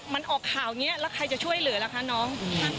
มันออกข่าวนี้แล้วใครจะช่วยเหลือล่ะคะน้อง